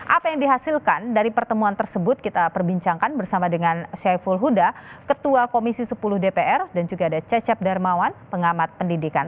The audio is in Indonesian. apa yang dihasilkan dari pertemuan tersebut kita perbincangkan bersama dengan syaiful huda ketua komisi sepuluh dpr dan juga ada cecep darmawan pengamat pendidikan